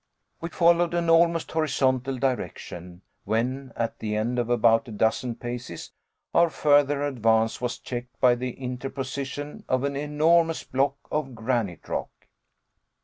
We followed an almost horizontal direction; when, at the end of about a dozen paces, our further advance was checked by the interposition of an enormous block of granite rock.